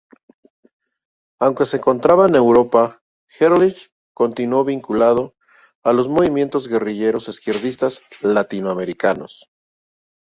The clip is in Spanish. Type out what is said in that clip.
Aunque se encontraba en Europa Ehrlich, continuó vinculado a los movimientos guerrilleros izquierdistas latinoamericanos.